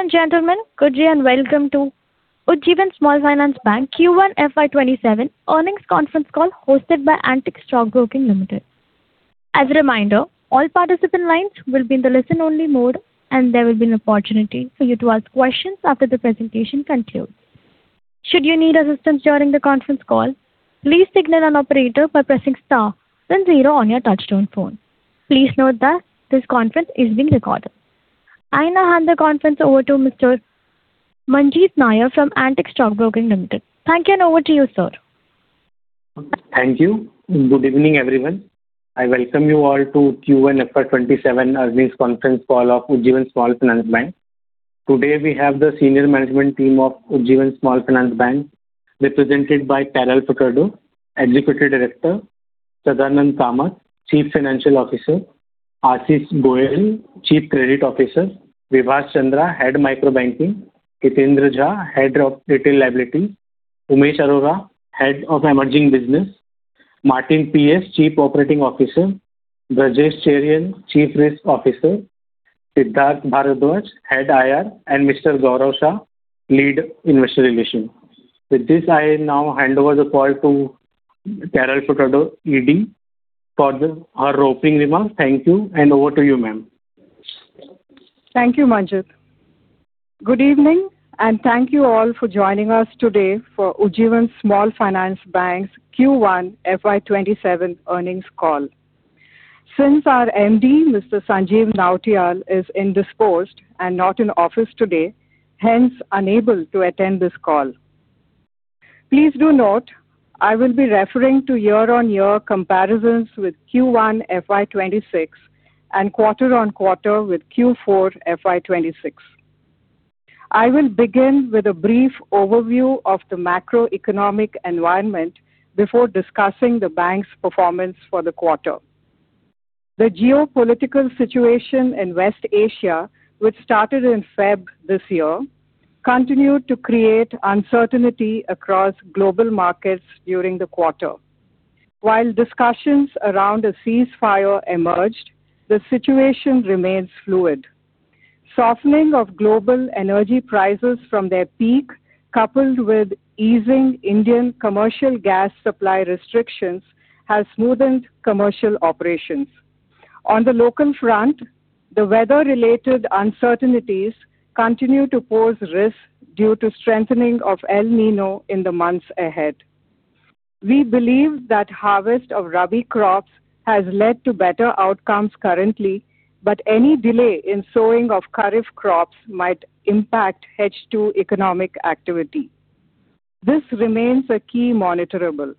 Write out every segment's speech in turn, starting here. Ladies and gentlemen, good day and welcome to Ujjivan Small Finance Bank Q1 FY 2027 earnings conference call hosted by Antique Stock Broking Limited. As a reminder, all participant lines will be in the listen-only mode, and there will be an opportunity for you to ask questions after the presentation concludes. Should you need assistance during the conference call, please signal an operator by pressing star then zero on your touchtone phone. Please note that this conference is being recorded. I now hand the conference over to Mr. Manjith Nair from Antique Stock Broking Limited. Thank you, and over to you, sir. Thank you. Good evening, everyone. I welcome you all to Q1 FY 2027 earnings conference call of Ujjivan Small Finance Bank. Today we have the senior management team of Ujjivan Small Finance Bank represented by Carol Furtado, Executive Director; Sadananda Kamath, Chief Financial Officer; Ashish Goel, Chief Credit Officer; Vibhas Chandra, Head Micro Banking; Hitendra Jha, Head of Retail Liability; Umesh Arora, Head of Emerging Business; Martin P S, Chief Operating Officer; Brajesh Cherian, Chief Risk Officer; Siddharth Bharadwaj, Head IR; and Mr. Gaurav Sah, Lead Investor Relations. With this, I now hand over the call to Carol Furtado, ED, for her opening remarks. Thank you, and over to you, ma'am. Thank you, Manjith. Good evening, and thank you all for joining us today for Ujjivan Small Finance Bank's Q1 FY 2027 earnings call. Since our MD, Mr. Sanjeev Nautiyal, is indisposed and not in office today, hence unable to attend this call. Please do note, I will be referring to year-on-year comparisons with Q1 FY 2026 and quarter-on-quarter with Q4 FY 2026. I will begin with a brief overview of the macroeconomic environment before discussing the bank's performance for the quarter. The geopolitical situation in West Asia, which started in February this year, continued to create uncertainty across global markets during the quarter. While discussions around a ceasefire emerged, the situation remains fluid. Softening of global energy prices from their peak, coupled with easing Indian commercial gas supply restrictions, has smoothened commercial operations. On the local front, the weather-related uncertainties continue to pose risks due to strengthening of El Niño in the months ahead. We believe that harvest of Rabi crops has led to better outcomes currently, but any delay in sowing of Kharif crops might impact H2 economic activity. This remains a key monitorable.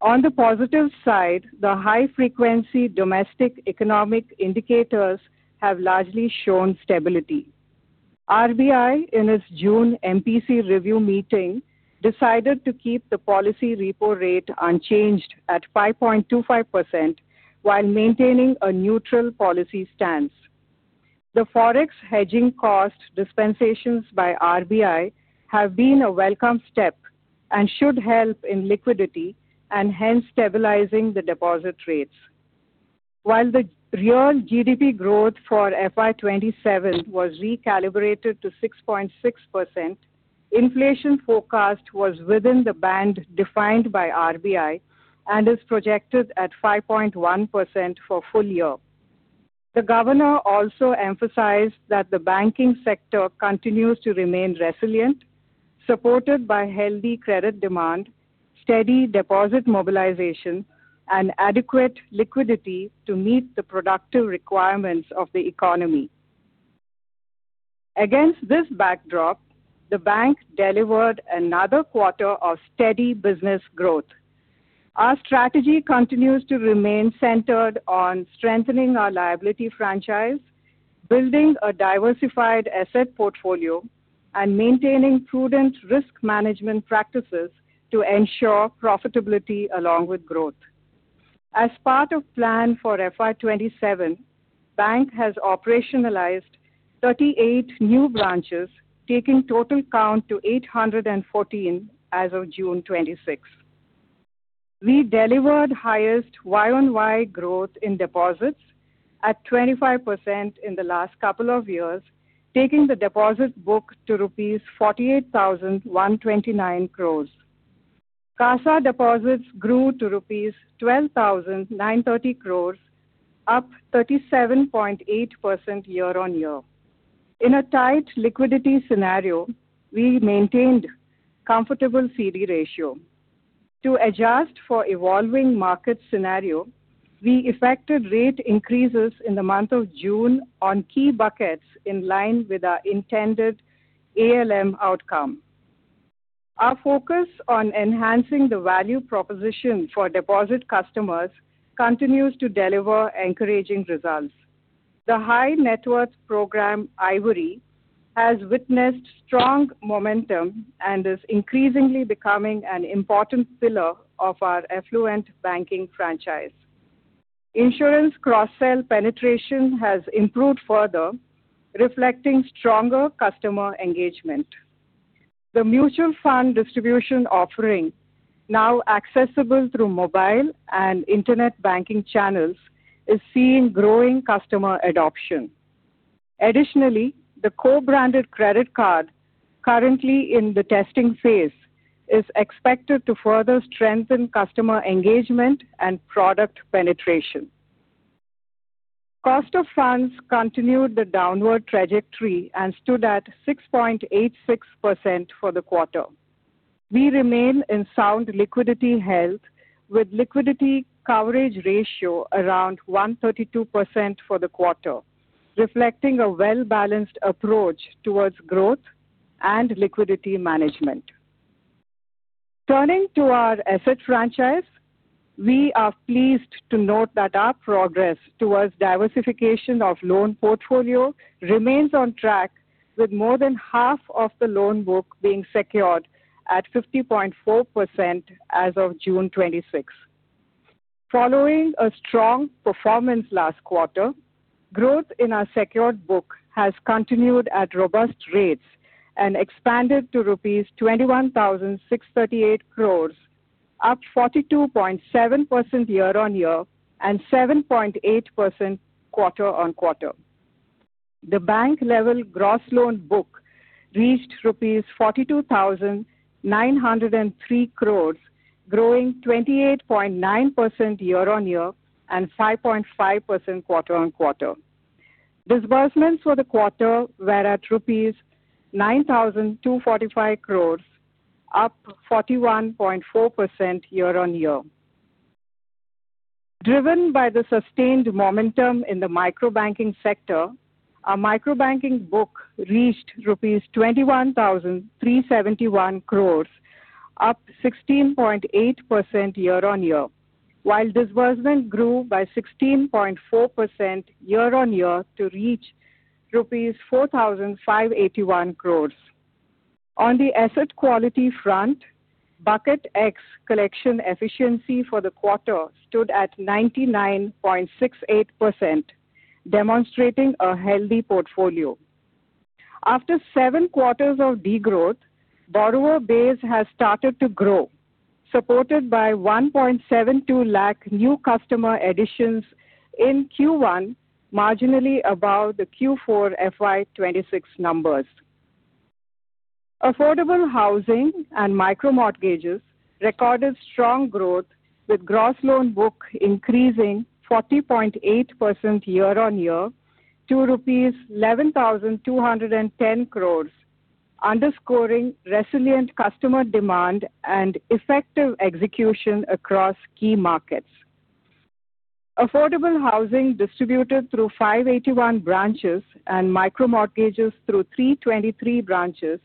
On the positive side, the high-frequency domestic economic indicators have largely shown stability. RBI, in its June MPC review meeting, decided to keep the policy repo rate unchanged at 5.25% while maintaining a neutral policy stance. The forex hedging cost dispensations by RBI have been a welcome step and should help in liquidity and hence stabilizing the deposit rates. While the real GDP growth for FY 2027 was recalibrated to 6.6%, inflation forecast was within the band defined by RBI and is projected at 5.1% for full year. The governor also emphasized that the banking sector continues to remain resilient, supported by healthy credit demand, steady deposit mobilization, and adequate liquidity to meet the productive requirements of the economy. Against this backdrop, the bank delivered another quarter of steady business growth. Our strategy continues to remain centered on strengthening our liability franchise, building a diversified asset portfolio, and maintaining prudent risk management practices to ensure profitability along with growth. As part of plan for FY 2027, Bank has operationalized 38 new branches, taking total count to 814 as of June 26th. We delivered highest year-on-year growth in deposits at 25% in the last couple of years, taking the deposit book to rupees 48,129 crores. CASA deposits grew to rupees 12,930 crores, up 37.8% year-on-year. In a tight liquidity scenario, we maintained comfortable CD ratio. To adjust for evolving market scenario, we effected rate increases in the month of June on key buckets in line with our intended ALM outcome. Our focus on enhancing the value proposition for deposit customers continues to deliver encouraging results. The High Net Worth program, Ivory, has witnessed strong momentum and is increasingly becoming an important pillar of our affluent banking franchise. Insurance cross-sell penetration has improved further, reflecting stronger customer engagement. The mutual fund distribution offering, now accessible through mobile and internet banking channels, is seeing growing customer adoption. The co-branded credit card, currently in the testing phase, is expected to further strengthen customer engagement and product penetration. Cost of funds continued the downward trajectory and stood at 6.86% for the quarter. We remain in sound liquidity health with liquidity coverage ratio around 132% for the quarter, reflecting a well-balanced appROAch towards growth and liquidity management. Turning to our asset franchise, we are pleased to note that our progress towards diversification of loan portfolio remains on track, with more than half of the loan book being secured at 50.4% as of June 26th. Following a strong performance last quarter, growth in our secured book has continued at robust rates and expanded to rupees 21,638 crores, up 42.7% year-on-year and 7.8% quarter-on-quarter. The bank-level gross loan book reached rupees 42,903 crores, growing 28.9% year-on-year and 5.5% quarter-on-quarter. Disbursement for the quarter were at rupees 9,245 crores, up 41.4% year-on-year. Driven by the sustained momentum in the microbanking sector, our microbanking book reached rupees 21,371 crores, up 16.8% year-on-year, while disbursement grew by 16.4% year-on-year to reach rupees 4,581 crores. On the asset quality front, Bucket X collection efficiency for the quarter stood at 99.68%, demonstrating a healthy portfolio. After seven quarters of degrowth, borrower base has started to grow, supported by 1.72 lakh new customer additions in Q1, marginally above the Q4 FY 2026 numbers. Affordable housing and micro mortgages recorded strong growth, with gross loan book increasing 40.8% year-on-year to INR 11,210 crores, underscoring resilient customer demand and effective execution across key markets. Affordable housing distributed through 581 branches and micro mortgages through 323 branches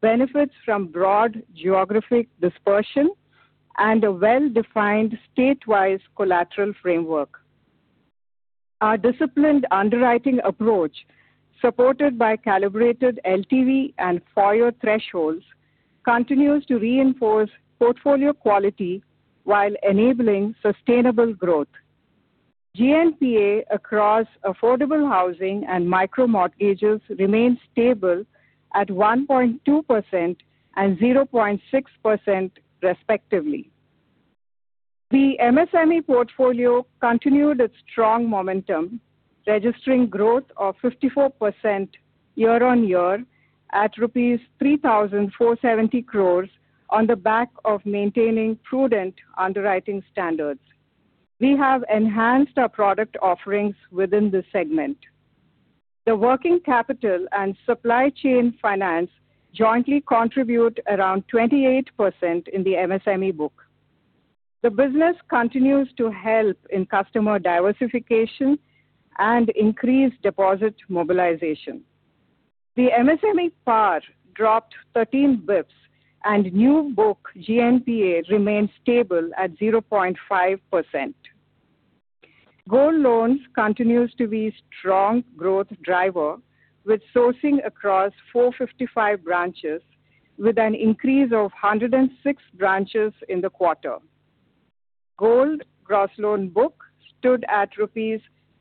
benefits from broad geographic dispersion and a well-defined state-wise collateral framework. Our disciplined underwriting appROAch, supported by calibrated LTV and FOIR thresholds, continues to reinforce portfolio quality while enabling sustainable growth. GNPA across affordable housing and micro mortgages remains stable at 1.2% and 0.6%, respectively. The MSME portfolio continued its strong momentum, registering growth of 54% year-on-year at rupees 3,470 crores on the back of maintaining prudent underwriting standards. We have enhanced our product offerings within this segment. The working capital and supply chain finance jointly contribute around 28% in the MSME book. The business continues to help in customer diversification and increase deposit mobilization. The MSME PAR dropped 13 basis points, and new book GNPA remains stable at 0.5%. Gold loans continues to be strong growth driver with sourcing across 455 branches, with an increase of 106 branches in the quarter. Gold gross loan book stood at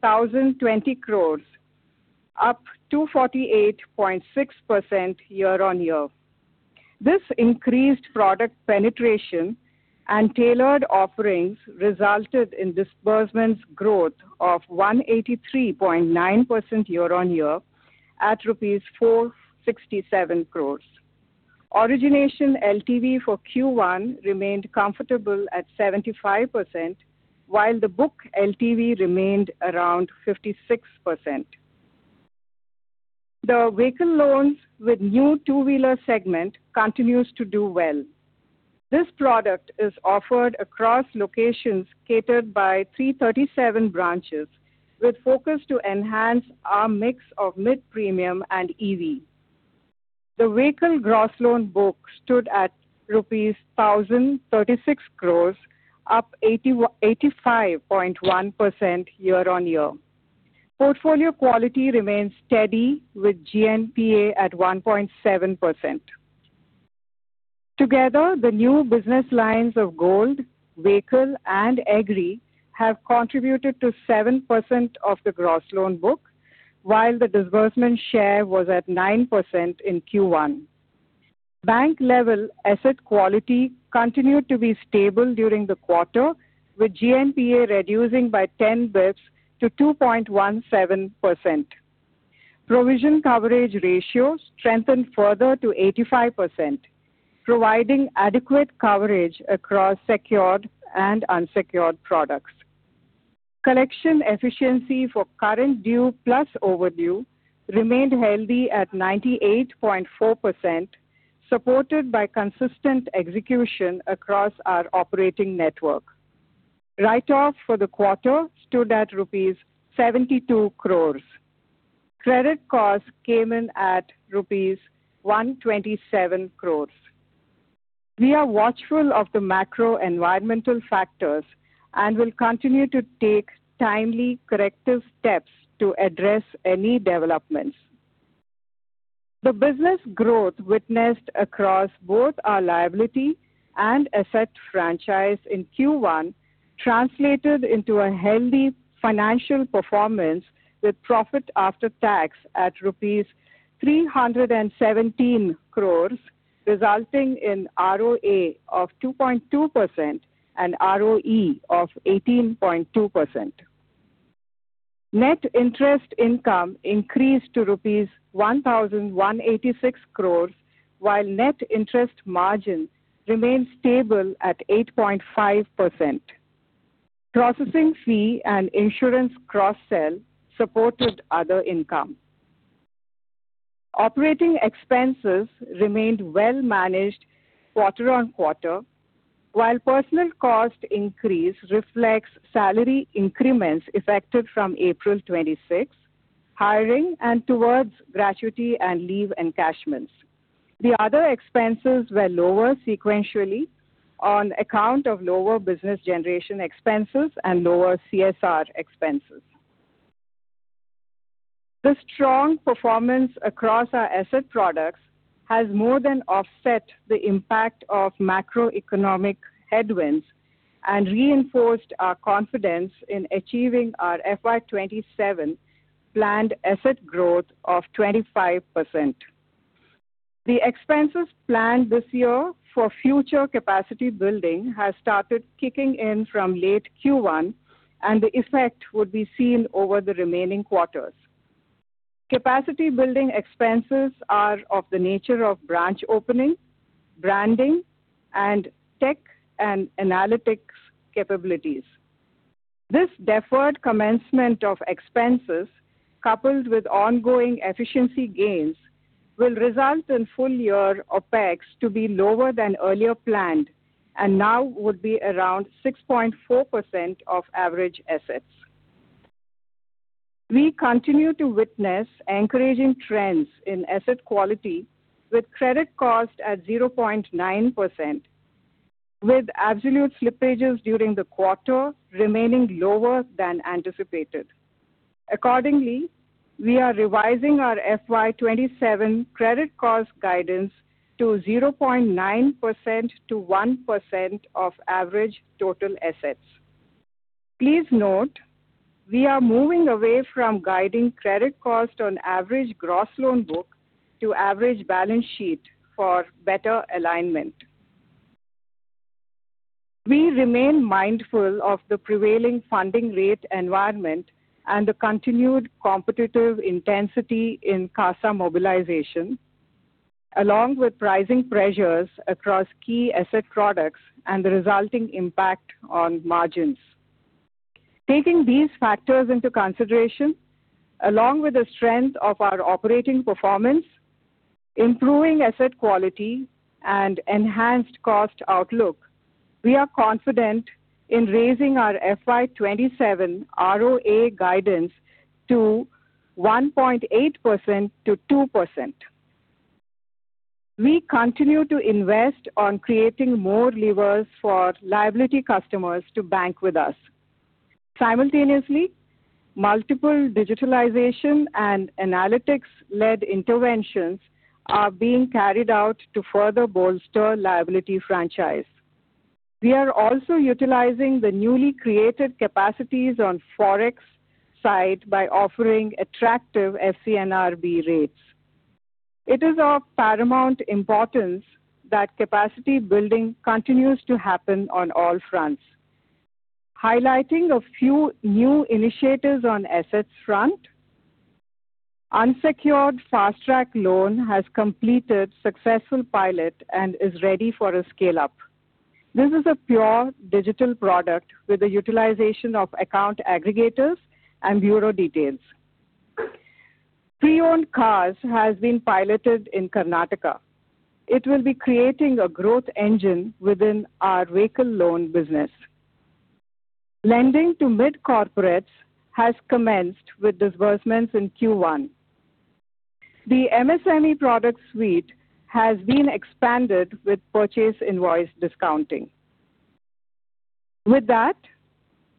rupees 1,020 crores, up 248.6% year-on-year. This increased product penetration and tailored offerings resulted in disbursements growth of 183.9% year-on-year at rupees 467 crores. Origination LTV for Q1 remained comfortable at 75%, while the book LTV remained around 56%. The vehicle loans with new two-wheeler segment continues to do well. This product is offered across locations catered by 337 branches, with focus to enhance our mix of mid-premium and EV. The vehicle gross loan book stood at rupees 1,036 crores, up 85.1% year-on-year. Portfolio quality remains steady with GNPA at 1.7%. Together, the new business lines of gold, vehicle, and agri have contributed to 7% of the gross loan book, while the disbursement share was at 9% in Q1. Bank level asset quality continued to be stable during the quarter, with GNPA reducing by 10 basis points to 2.17%. Provision coverage ratio strengthened further to 85%, providing adequate coverage across secured and unsecured products. Collection efficiency for current due plus overdue remained healthy at 98.4%, supported by consistent execution across our operating network. Write-off for the quarter stood at rupees 72 crores. Credit cost came in at rupees 127 crores. We are watchful of the macro environmental factors and will continue to take timely corrective steps to address any developments. The business growth witnessed across both our liability and asset franchise in Q1 translated into a healthy financial performance with profit after tax at rupees 317 crores, resulting in ROA of 2.2% and ROE of 18.2%. Net interest income increased to rupees 1,186 crores, while net interest margin remained stable at 8.5%. Processing fee and insurance cross-sell supported other income. Operating expenses remained well managed quarter-on-quarter, while personal cost increase reflects salary increments effective from April 26, hiring, and towards gratuity and leave encashments. The other expenses were lower sequentially on account of lower business generation expenses and lower CSR expenses. The strong performance across our asset products has more than offset the impact of macroeconomic headwinds and reinforced our confidence in achieving our FY 2027 planned asset growth of 25%. The expenses planned this year for future capacity building has started kicking in from late Q1, and the effect would be seen over the remaining quarters. Capacity building expenses are of the nature of branch opening, branding, and tech and analytics capabilities. This deferred commencement of expenses, coupled with ongoing efficiency gains, will result in full year OPEX to be lower than earlier planned and now would be around 6.4% of average assets. We continue to witness encouraging trends in asset quality with credit cost at 0.9%, with absolute slippages during the quarter remaining lower than anticipated. Accordingly, we are revising our FY 2027 credit cost guidance to 0.9%-1% of average total assets. Please note, we are moving away from guiding credit cost on average gross loan book to average balance sheet for better alignment. We remain mindful of the prevailing funding rate environment and the continued competitive intensity in CASA mobilization, along with pricing pressures across key asset products and the resulting impact on margins. Taking these factors into consideration, along with the strength of our operating performance, improving asset quality, and enhanced cost outlook, we are confident in raising our FY 2027 ROA guidance to 1.8%-2%. We continue to invest on creating more levers for liability customers to bank with us. Simultaneously, multiple digitalization and analytics-led interventions are being carried out to further bolster liability franchise. We are also utilizing the newly created capacities on Forex side by offering attractive FCNRB rates. It is of paramount importance that capacity building continues to happen on all fronts. Highlighting a few new initiatives on assets front. Unsecured fast-track loan has completed successful pilot and is ready for a scale-up. This is a pure digital product with the utilization of account aggregators and bureau details. Pre-owned cars has been piloted in Karnataka. It will be creating a growth engine within our vehicle loan business. Lending to mid-corporates has commenced with disbursements in Q1. The MSME product suite has been expanded with purchase invoice discounting. With that,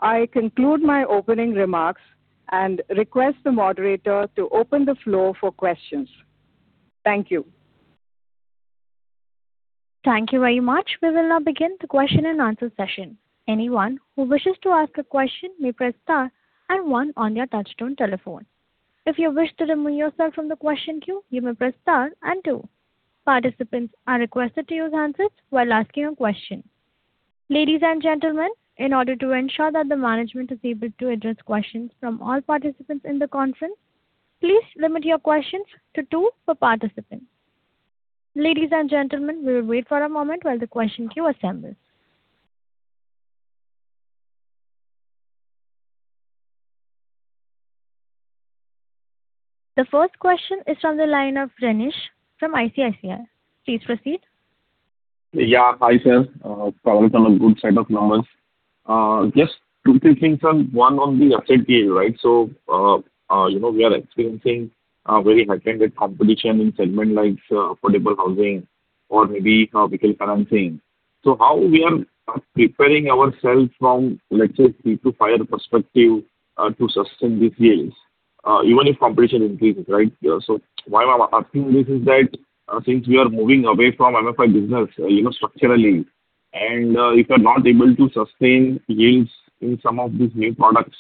I conclude my opening remarks and request the moderator to open the floor for questions. Thank you. Thank you very much. We will now begin the question and answer session. Anyone who wishes to ask a question may press star and one on their touchtone telephone. If you wish to remove yourself from the question queue, you may press star and two. Participants are requested to use handsets while asking a question. Ladies and gentlemen, in order to ensure that the management is able to address questions from all participants in the conference, please limit your questions to two per participant. Ladies and gentlemen, we will wait for a moment while the question queue assembles. The first question is from the line of Renish from ICICI. Please proceed. Yeah. Hi, sir. Congrats on a good set of numbers. Just two, three things. One on the asset yield. We are experiencing a very heightened competition in segment like affordable housing or maybe vehicle financing. How we are preparing ourself from, let's say, three to five perspective to sustain these yields even if competition increases, right? Why I'm asking this is that since we are moving away from MFI business structurally, and if you're not able to sustain yields in some of these new products,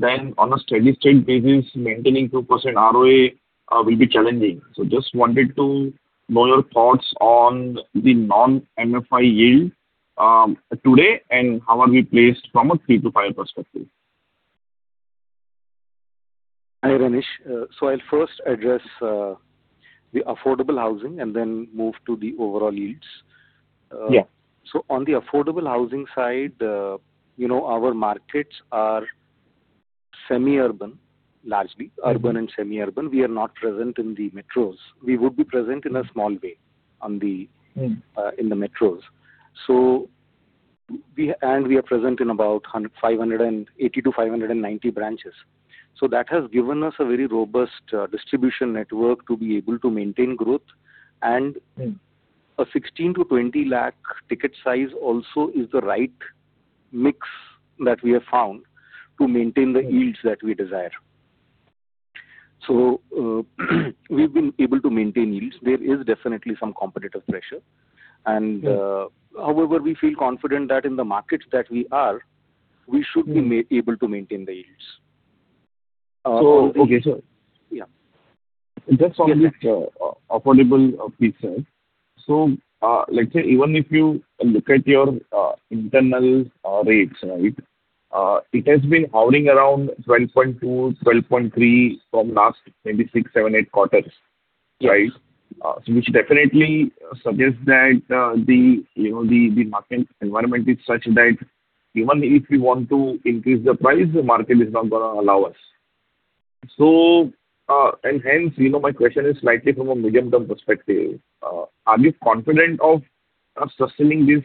then on a steady state basis, maintaining 2% ROA will be challenging. Just wanted to know your thoughts on the non-MFI yield today and how are we placed from a three to five perspective. Hi, Renish. I'll first address the affordable housing and then move to the overall yields. Yeah. On the affordable housing side, our markets are semi-urban, largely urban and semi-urban. We are not present in the metros. We would be present in a small way in the metros. We are present in about 580-590 branches. That has given us a very robust distribution network to be able to maintain growth. A 16-20 lakh ticket size also is the right mix that we have found to maintain the yields that we desire. We've been able to maintain yields. There is definitely some competitive pressure. However, we feel confident that in the markets that we are, we should be able to maintain the yields. Okay. Just on this affordable piece. Let's say even if you look at your internal rates, it has been hovering around 12.2%, 12.3% from last maybe six, seven, eight quarters. Right. Which definitely suggests that the market environment is such that even if we want to increase the price, the market is not going to allow us. Hence, my question is slightly from a medium-term perspective. Are we confident of sustaining these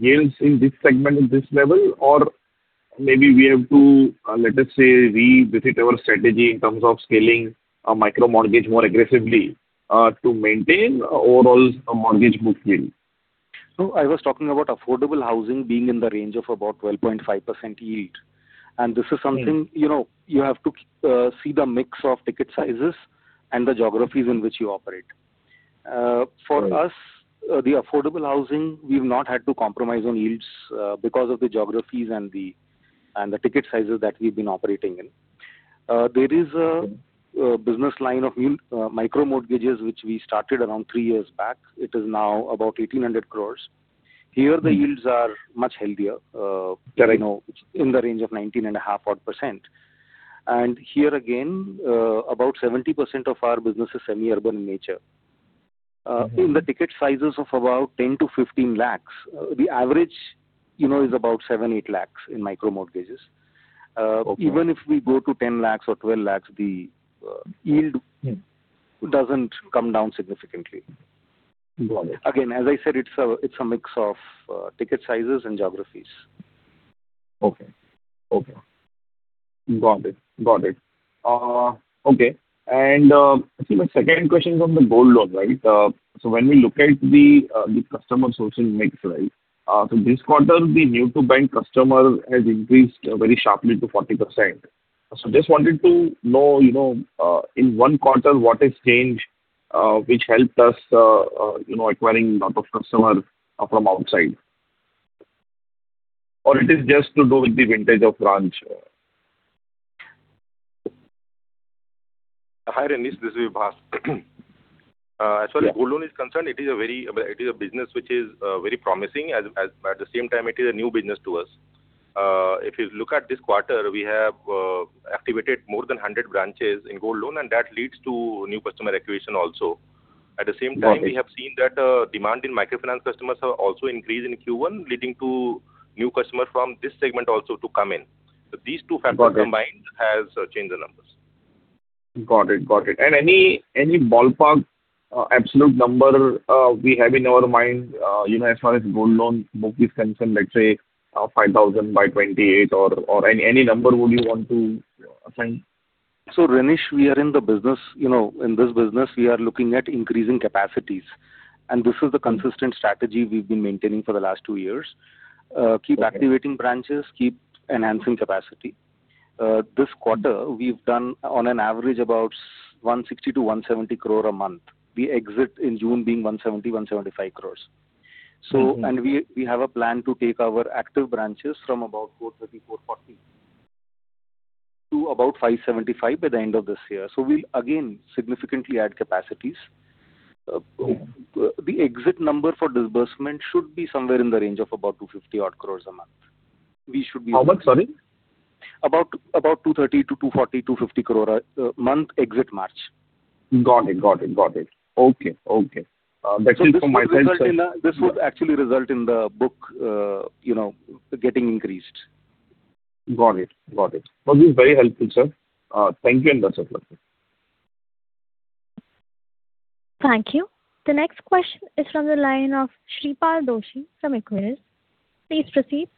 yields in this segment at this level? Maybe we have to, let us say, revisit our strategy in terms of scaling micro mortgage more aggressively to maintain overall mortgage book yield. I was talking about affordable housing being in the range of about 12.5% yield. This is something you have to see the mix of ticket sizes and the geographies in which you operate. For us, the affordable housing, we've not had to compromise on yields because of the geographies and the ticket sizes that we've been operating in. There is a business line of micro mortgages, which we started around three years back. It is now about 1,800 crores. Here, the yields are much healthier. Correct. In the range of 19.5% odd. Here again, about 70% of our business is semi-urban in nature. In the ticket sizes of about 10 lakhs-15 lakhs, the average is about INR seven, eight lakhs in micro mortgages. Okay. Even if we go to 10 lakhs or 12 lakhs, the yield doesn't come down significantly. Got it. Again, as I said, it's a mix of ticket sizes and geographies. Okay. Got it. Okay. My second question is on the gold loan. When we look at the customer sourcing mix. This quarter, the new-to-bank customer has increased very sharply to 40%. Just wanted to know, in one quarter, what has changed which helped us acquiring lot of customer from outside? Or it is just to do with the vintage of branch? Hi, Renish. This is Vibhas. As far as gold loan is concerned, it is a business which is very promising. At the same time, it is a new business to us. If you look at this quarter, we have activated more than 100 branches in gold loan, That leads to new customer acquisition also. Got it. At the same time, we have seen that demand in microfinance customers have also increased in Q1, leading to new customer from this segment also to come in. Got it. combined has changed the numbers. Got it. Any ballpark absolute number we have in our mind, as far as gold loan book is concerned, let's say 5,000 by 2028 or any number would you want to assign? Renish, in this business, we are looking at increasing capacities, and this is the consistent strategy we've been maintaining for the last two years. Okay. Keep activating branches, keep enhancing capacity. This quarter, we've done on an average about 160 crore to 170 crore a month. The exit in June being 170 crore, 175 crore. We have a plan to take our active branches from about 430, 440 to about 575 by the end of this year. We'll again significantly add capacities. The exit number for disbursement should be somewhere in the range of about 250 odd crore a month. How much, sorry? About 230 crore-240 crore, 250 crore a month exit March. Got it. Okay. That's useful for my side, sir. This would actually result in the book getting increased. Got it. No, this is very helpful, sir. Thank you, and best of luck. Thank you. The next question is from the line of Shreepal Doshi from Equirus. Please proceed.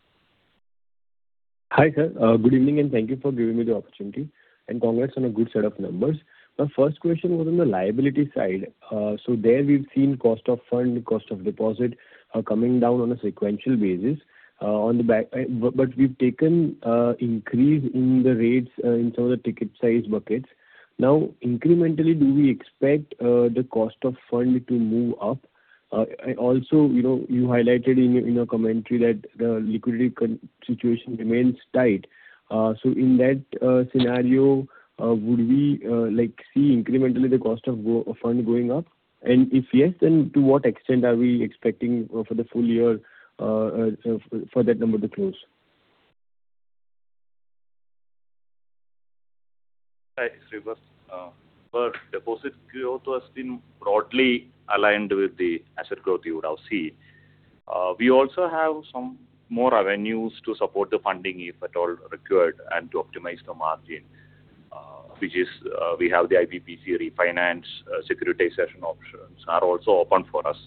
Hi, sir. Good evening, and thank you for giving me the opportunity, and congrats on a good set of numbers. My first question was on the liability side. There we've seen cost of fund, cost of deposit are coming down on a sequential basis. We've taken increase in the rates in some of the ticket size buckets. Now, incrementally, do we expect the cost of fund to move up? Also, you highlighted in your commentary that the liquidity situation remains tight. In that scenario, would we see incrementally the cost of fund going up? If yes, then to what extent are we expecting for the full year for that number to close? Hi, Shreepal. Our deposit growth has been broadly aligned with the asset growth you would have seen. We also have some more avenues to support the funding, if at all required, and to optimize the margin. We have the IBPC refinance, securitization options are also open for us.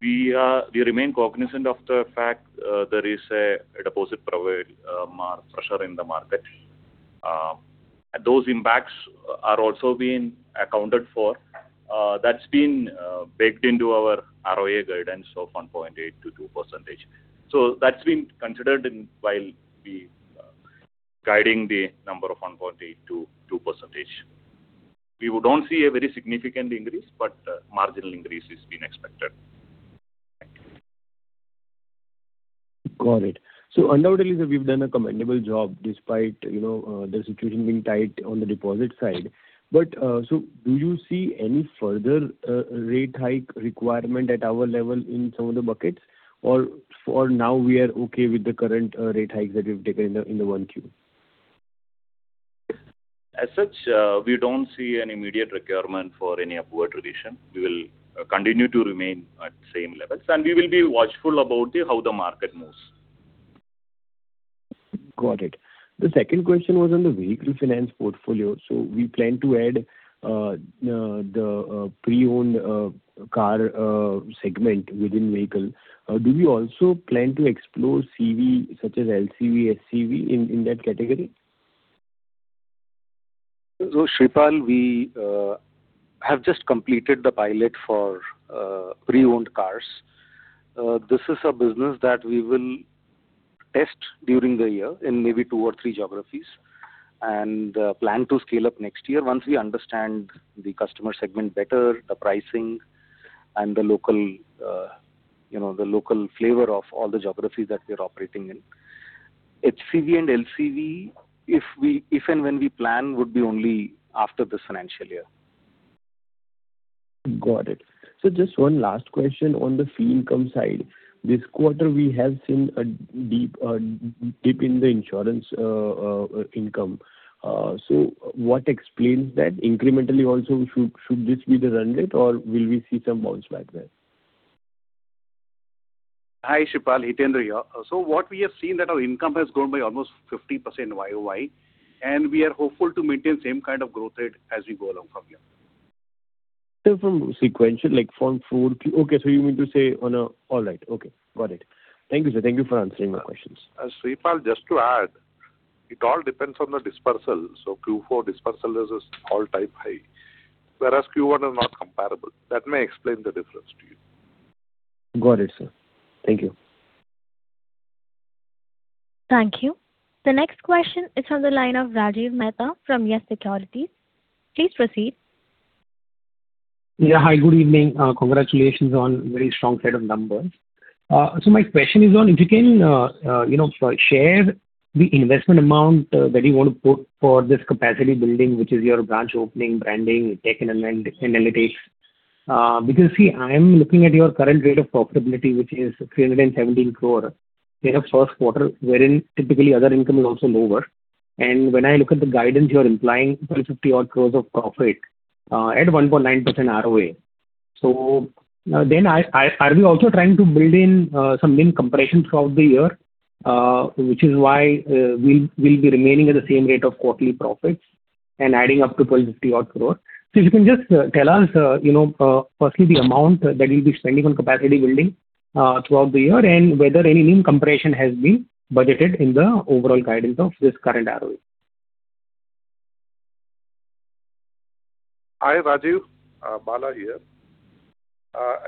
We remain cognizant of the fact there is a deposit pressure in the market. Those impacts are also being accounted for. That's been baked into our ROA guidance of 1.8%-2%. That's been considered while we guiding the number of 1.8%-2%. We don't see a very significant increase, but marginal increase is being expected. Got it. Undoubtedly, sir, we've done a commendable job despite the situation being tight on the deposit side. Do you see any further rate hike requirement at our level in some of the buckets? Or for now we are okay with the current rate hike that we've taken in the 1Q? As such, we don't see any immediate requirement for any upward revision. We will continue to remain at same levels, and we will be watchful about how the market moves. Got it. The second question was on the vehicle finance portfolio. We plan to add the pre-owned car segment within vehicle. Do we also plan to explore CV such as LCV, HCV in that category? Shreepal, we have just completed the pilot for pre-owned cars. This is a business that we will test during the year in maybe two or three geographies and plan to scale up next year once we understand the customer segment better, the pricing and the local flavor of all the geographies that we're operating in. HCV and LCV, if and when we plan, would be only after this financial year. Got it. Just one last question on the fee income side. This quarter, we have seen a deep dip in the insurance income. What explains that? Incrementally also, should this be the run rate or will we see some bounce back there? Hi, Shreepal. Hitendra here. What we have seen that our income has grown by almost 50% YOY. We are hopeful to maintain same kind of growth rate as we go along from here. Sir, from sequential, like Okay. You mean to say on a All right. Okay. Got it. Thank you, sir. Thank you for answering my questions. Shreepal, just to add, it all depends on the dispersal. Q4 dispersal is all-time high, whereas Q1 is not comparable. That may explain the difference to you. Got it, sir. Thank you. Thank you. The next question is on the line of Rajiv Mehta from Yes Securities. Please proceed. Yeah. Hi, good evening. Congratulations on very strong set of numbers. My question is on, if you can share the investment amount that you want to put for this capacity building, which is your branch opening, branding, tech enablement and analytics. See, I am looking at your current rate of profitability, which is 317 crore in a first quarter, wherein typically other income is also lower. When I look at the guidance, you're implying 1,250 odd crores of profit at 1.9% ROA. Are we also trying to build in some NIM compression throughout the year, which is why we'll be remaining at the same rate of quarterly profits and adding up to 1,250 odd crore. If you can just tell us, firstly, the amount that you'll be spending on capacity building throughout the year and whether any NIM compression has been budgeted in the overall guidance of this current ROA. Hi, Rajiv. Bhara here.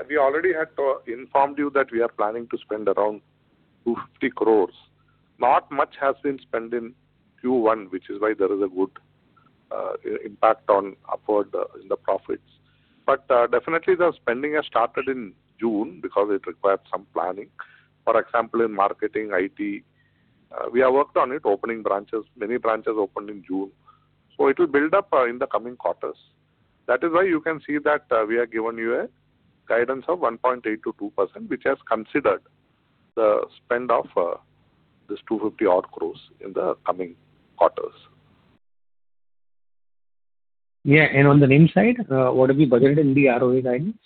We already had informed you that we are planning to spend around 250 crores. Not much has been spent in Q1, which is why there is a good impact upward in the profits. Definitely the spending has started in June because it required some planning. For example, in marketing, IT, we have worked on it, opening branches. Many branches opened in June, so it will build up in the coming quarters. That is why you can see that we have given you a guidance of 1.8%-2%, which has considered the spend of this 250 odd crores in the coming quarters. Yeah. On the NIM side, what have we budgeted in the ROA guidance?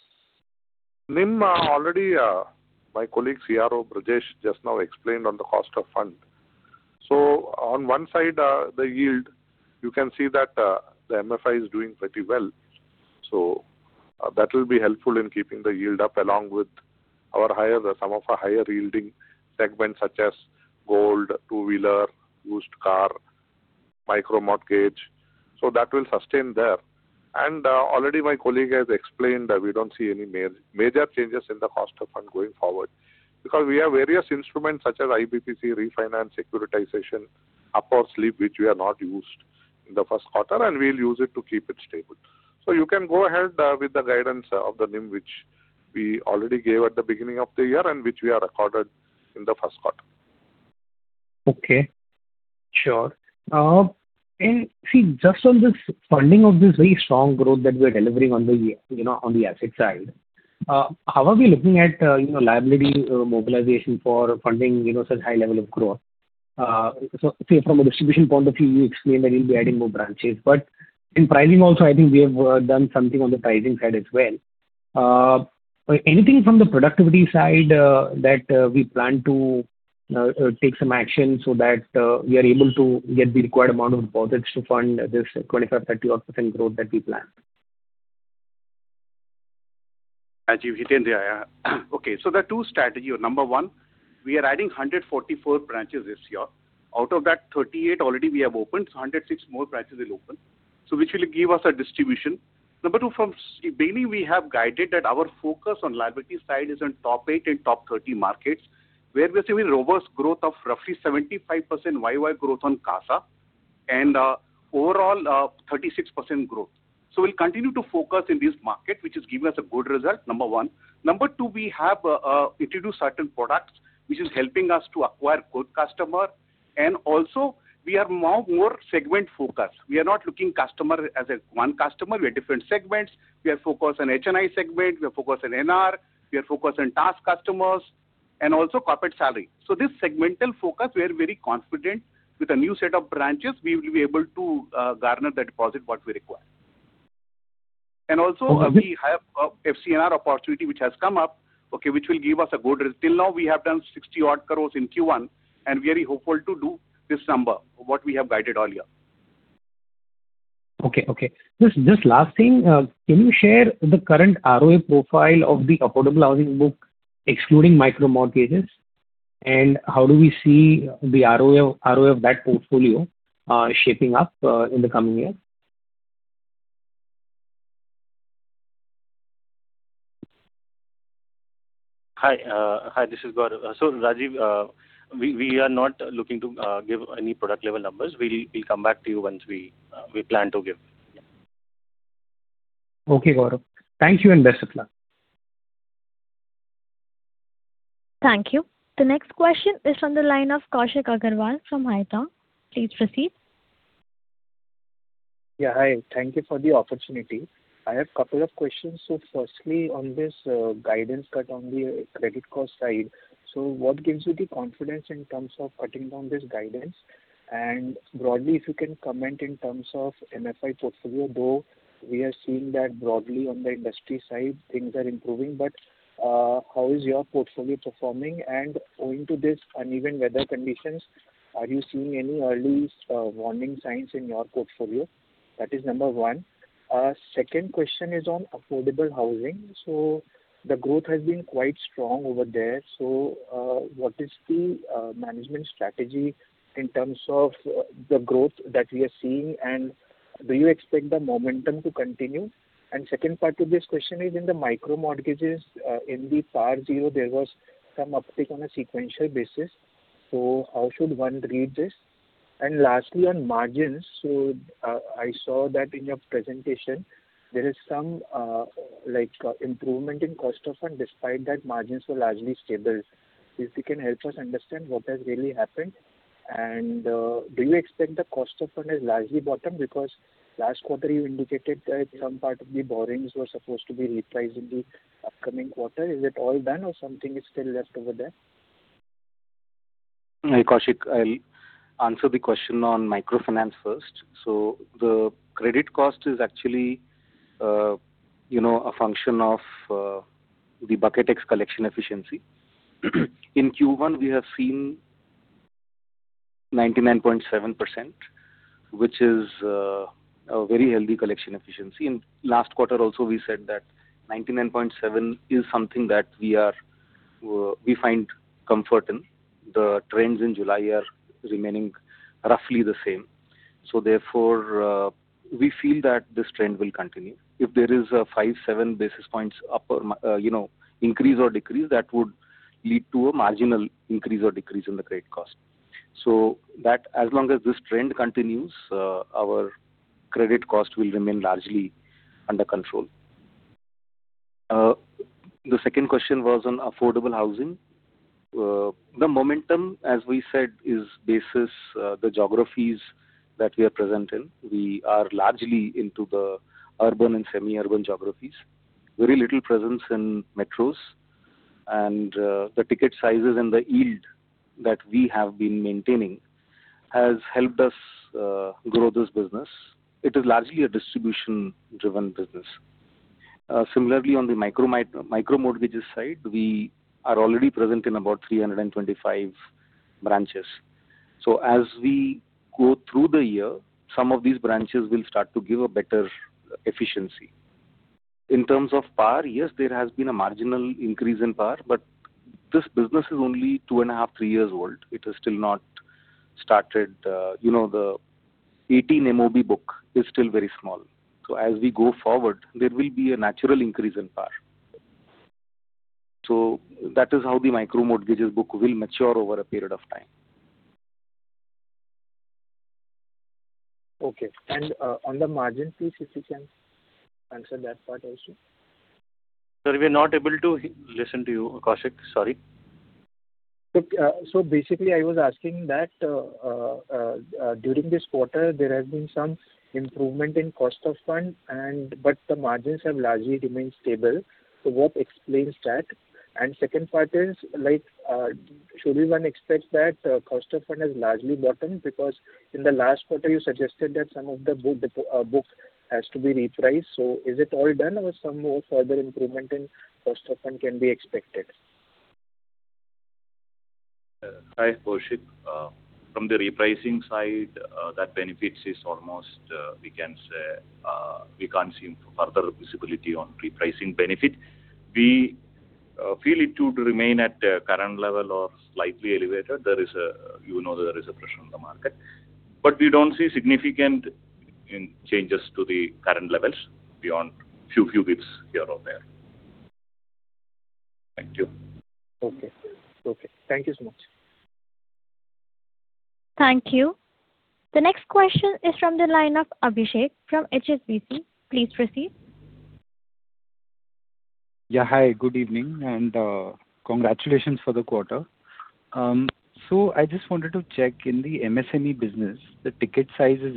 NIM, already my colleague, CRO Brajesh, just now explained on the cost of fund. On one side, the yield, you can see that the MFI is doing pretty well, so that will be helpful in keeping the yield up along with some of our higher-yielding segments such as gold, two-wheeler, used car, micro mortgage. That will sustain there. Already my colleague has explained that we don't see any major changes in the cost of fund going forward because we have various instruments such as IBPC, refinance, securitization, upward slope, which we have not used in the first quarter, and we'll use it to keep it stable. You can go ahead with the guidance of the NIM, which we already gave at the beginning of the year and which we have recorded in the first quarter. Okay. Sure. See, just on this funding of this very strong growth that we're delivering on the asset side, how are we looking at liability mobilization for funding such high level of growth? Say, from a distribution point of view, you explained that you'll be adding more branches, in pricing also, I think we have done something on the pricing side as well. Anything from the productivity side that we plan to take some action so that we are able to get the required amount of deposits to fund this 25%, 30% odd percent growth that we plan? Rajiv, Hitendra here. Okay. There are two strategies. Number one, we are adding 144 branches this year. Out of that, 38 already we have opened, 106 more branches will open, which will give us a distribution. Number two, from the beginning we have guided that our focus on liability side is on top eight and top 30 markets, where we are seeing robust growth of roughly 75% YY growth on CASA and overall 36% growth. We'll continue to focus in this market, which has given us a good result, number one. Number two, we have introduced certain products which is helping us to acquire good customers and also we are now more segment-focused. We are not looking customers as one customer. We are different segments. We are focused on HNI segment, we are focused on NR, we are focused on TASC customers and also corporate salary. This segmental focus, we are very confident with a new set of branches, we will be able to garner the deposit what we require. We have FCNR opportunity which has come up, which will give us a good result. Till now we have done 60 odd crores in Q1 and we are hopeful to do this number, what we have guided earlier. Okay. Just last thing. Can you share the current ROA profile of the affordable housing book, excluding micro mortgages, and how do we see the ROA of that portfolio shaping up in the coming year? Hi, this is Gaurav. Rajiv, we are not looking to give any product-level numbers. We'll come back to you once we plan to give. Yeah. Okay, Gaurav. Thank you and best of luck. Thank you. The next question is on the line of Kaushik Agarwal from Haitong. Please proceed. Hi. Thank you for the opportunity. I have couple of questions. Firstly, on this guidance cut on the credit cost side. What gives you the confidence in terms of cutting down this guidance? broadly, if you can comment in terms of MFI portfolio, though we are seeing that broadly on the industry side, things are improving, but how is your portfolio performing? Owing to this uneven weather conditions, are you seeing any early warning signs in your portfolio? That is number one. Second question is on affordable housing. The growth has been quite strong over there. What is the management strategy in terms of the growth that we are seeing and Do you expect the momentum to continue? Second part to this question is in the micro mortgages, in the PAR zero, there was some uptick on a sequential basis. How should one read this? Lastly, on margins. I saw that in your presentation, there is some improvement in cost of fund despite that margins were largely stable. If you can help us understand what has really happened. Do you expect the cost of fund has largely bottomed? Last quarter you indicated that some part of the borrowings were supposed to be repriced in the upcoming quarter. Is it all done or something is still left over there? Kaushik, I'll answer the question on microfinance first. The credit cost is actually a function of the Bucket X collection efficiency. In Q1, we have seen 99.7%, which is a very healthy collection efficiency. In last quarter also, we said that 99.7% is something that we find comfort in. The trends in July are remaining roughly the same. Therefore, we feel that this trend will continue. If there is a five, seven basis points increase or decrease, that would lead to a marginal increase or decrease in the credit cost. As long as this trend continues, our credit cost will remain largely under control. The second question was on affordable housing. The momentum, as we said, is basis the geographies that we are present in. We are largely into the urban and semi-urban geographies. Very little presence in metros. The ticket sizes and the yield that we have been maintaining has helped us grow this business. It is largely a distribution-driven business. Similarly, on the micro mortgages side, we are already present in about 325 branches. As we go through the year, some of these branches will start to give a better efficiency. In terms of PAR, yes, there has been a marginal increase in PAR, but this business is only two and a half, three years old. It has still not started. The 18 MOB book is still very small. As we go forward, there will be a natural increase in PAR. That is how the micro mortgages book will mature over a period of time. Okay. On the margin, please, if you can answer that part also. Sir, we're not able to listen to you, Kaushik. Sorry. Basically, I was asking that during this quarter, there has been some improvement in cost of fund, but the margins have largely remained stable. What explains that? Second part is should one expect that cost of fund has largely bottomed? Because in the last quarter, you suggested that some of the books has to be repriced. Is it all done or some more further improvement in cost of fund can be expected? Hi, Kaushik. From the repricing side, that benefits is almost, we can't see further visibility on repricing benefit. We feel it to remain at current level or slightly elevated. You know there is a pressure on the market. We don't see significant changes to the current levels beyond few bits here or there. Thank you. Okay. Thank you so much. Thank you. The next question is from the line of Abhishek from HSBC. Please proceed. Hi, good evening, and congratulations for the quarter. I just wanted to check in the MSME business, the ticket size is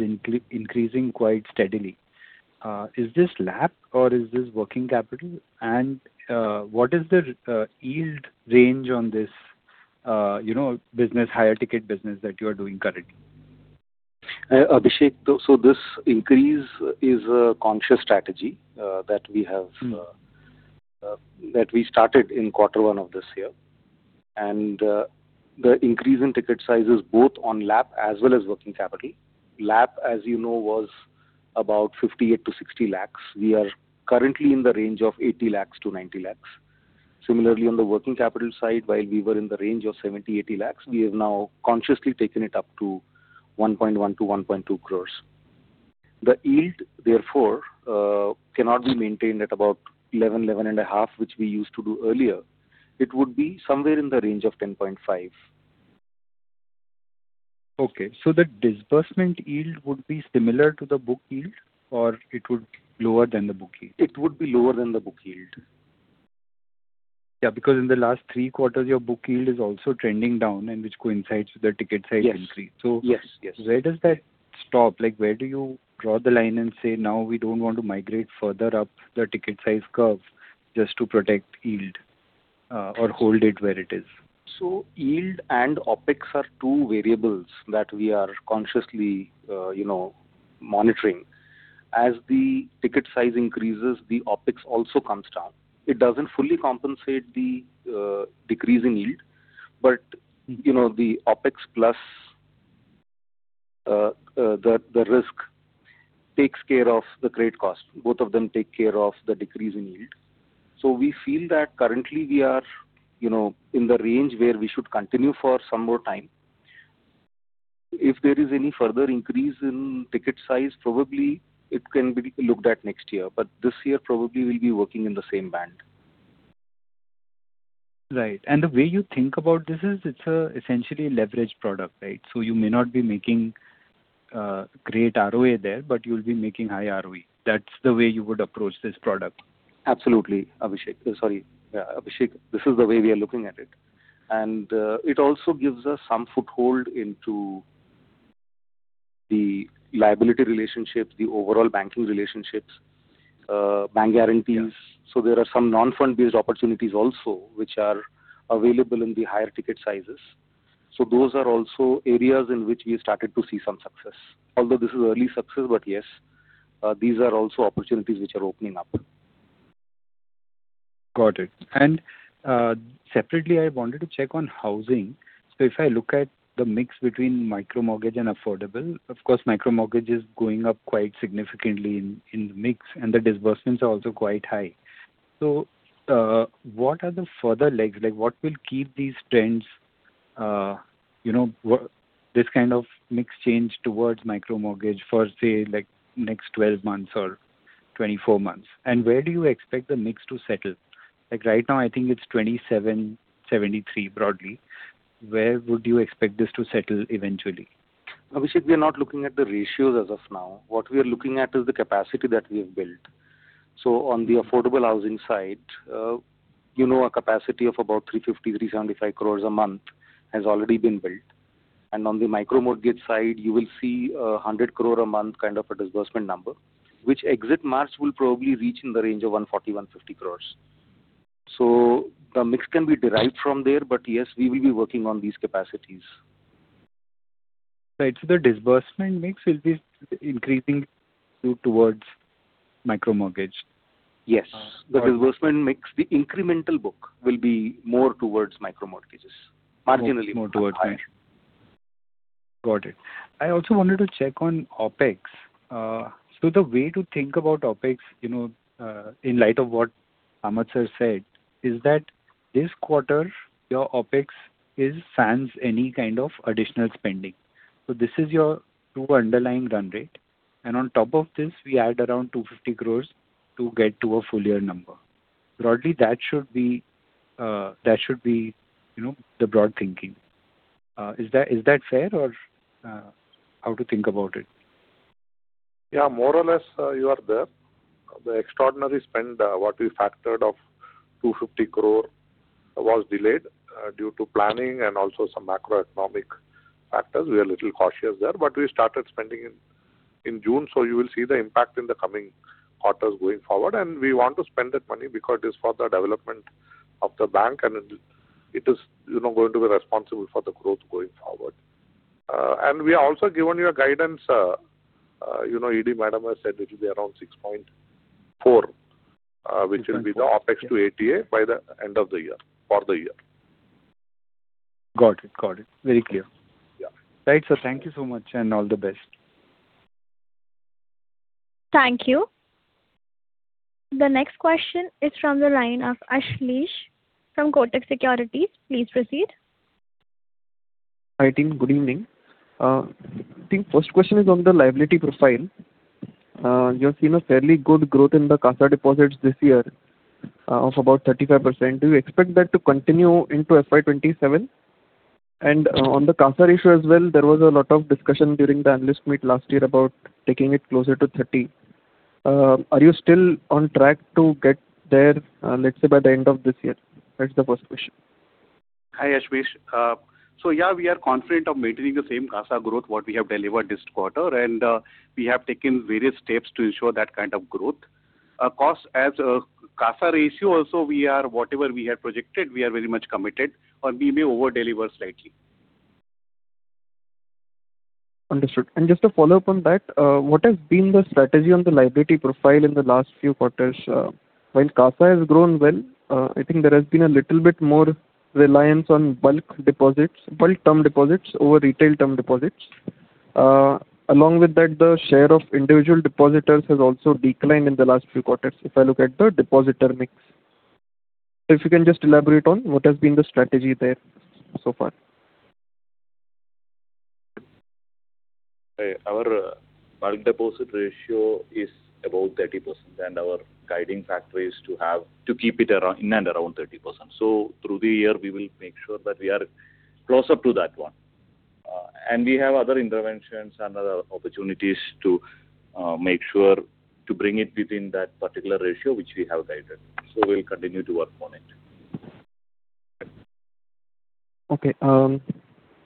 increasing quite steadily. Is this LAP or is this working capital? What is the yield range on this higher ticket business that you are doing currently? Abhishek, this increase is a conscious strategy that we have- That we started in quarter one of this year. The increase in ticket size is both on LAP as well as working capital. LAP, as you know, was about 58 lakhs to 60 lakhs. We are currently in the range of 80 lakhs to 90 lakhs. Similarly, on the working capital side, while we were in the range of 70 lakhs-80 lakhs, we have now consciously taken it up to 1.1 crores to 1.2 crores. The yield, therefore, cannot be maintained at about 11%, 11.5%, which we used to do earlier. It would be somewhere in the range of 10.5%. Okay. The disbursement yield would be similar to the book yield or it would lower than the book yield? It would be lower than the book yield. Because in the last three quarters, your book yield is also trending down and which coincides with the ticket size- Yes increase. Yes. Where does that stop? Where do you draw the line and say, now we don't want to migrate further up the ticket size curve just to protect yield or hold it where it is? Yield and OpEx are two variables that we are consciously monitoring. As the ticket size increases, the OpEx also comes down. It doesn't fully compensate the decrease in yield, but the OpEx plus the risk takes care of the credit cost. Both of them take care of the decrease in yield. We feel that currently we are in the range where we should continue for some more time. If there is any further increase in ticket size, probably it can be looked at next year, but this year probably we'll be working in the same band. Right. The way you think about this is it's essentially a leverage product, right? You may not be making great ROA there, but you'll be making high RoE. That's the way you would appROAch this product. Absolutely, Abhishek. This is the way we are looking at it. It also gives us some foothold into the liability relationship, the overall banking relationships, bank guarantees. There are some non-fund-based opportunities also which are available in the higher ticket sizes. Those are also areas in which we started to see some success. Although this is early success, but yes, these are also opportunities which are opening up. Got it. Separately, I wanted to check on housing. If I look at the mix between micro-mortgage and affordable, of course, micro-mortgage is going up quite significantly in the mix and the disbursements are also quite high. What are the further legs? What will keep these trends, this kind of mix change towards micro-mortgage for, say, next 12 months or 24 months? Where do you expect the mix to settle? Right now, I think it's 27, 73 broadly. Where would you expect this to settle eventually? Abhishek, we are not looking at the ratios as of now. What we are looking at is the capacity that we have built. On the affordable housing side, a capacity of about 350 crore-375 crore a month has already been built. On the micro-mortgage side, you will see 100 crore a month kind of a disbursement number, which exit March will probably reach in the range of 140 crore-150 crore. The mix can be derived from there, but yes, we will be working on these capacities. Right. The disbursement mix will be increasing towards micro-mortgage. Yes. The disbursement mix, the incremental book will be more towards micro-mortgages. More towards micro. Got it. I also wanted to check on OpEx. The way to think about OpEx, in light of what Kamath Sir said, is that this quarter your OpEx is sans any kind of additional spending. This is your true underlying run rate. On top of this, we add around 250 crore to get to a full year number. broadly, that should be the broad thinking. Is that fair or how to think about it? More or less you are there. The extraordinary spend, what we factored of 250 crore was delayed due to planning and also some macroeconomic factors. We are a little cautious there. We started spending in June, so you will see the impact in the coming quarters going forward. We want to spend that money because it is for the development of the bank and it is going to be responsible for the growth going forward. We have also given you a guidance. ED madam has said it will be around 6.4%, which will be the OpEx to ATA by the end of the year, for the year. Got it. Very clear. Yeah. Right, sir. Thank you so much and all the best. Thank you. The next question is from the line of Ashlesh from Kotak Securities. Please proceed. Hi, team. Good evening. I think first question is on the liability profile. You have seen a fairly good growth in the CASA deposits this year of about 35%. Do you expect that to continue into FY 2027? On the CASA ratio as well, there was a lot of discussion during the analyst meet last year about taking it closer to 30. Are you still on track to get there, let's say by the end of this year? That's the first question. Hi, Ashlesh. Yeah, we are confident of maintaining the same CASA growth what we have delivered this quarter, and we have taken various steps to ensure that kind of growth. Of course, as CASA ratio also, whatever we have projected, we are very much committed or we may over-deliver slightly. Understood. Just a follow-up on that, what has been the strategy on the liability profile in the last few quarters? While CASA has grown well, I think there has been a little bit more reliance on bulk deposits, bulk term deposits over retail term deposits. Along with that, the share of individual depositors has also declined in the last few quarters, if I look at the depositor mix. If you can just elaborate on what has been the strategy there so far. Our bulk deposit ratio is about 30%. Our guiding factor is to keep it in and around 30%. Through the year, we will make sure that we are closer to that one. We have other interventions and other opportunities to make sure to bring it within that particular ratio, which we have guided. We'll continue to work on it. Okay.